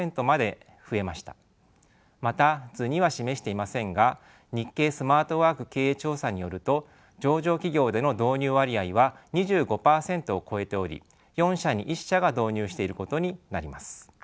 また図には示していませんが日経スマートワーク経営調査によると上場企業での導入割合は２５％を超えており４社に１社が導入していることになります。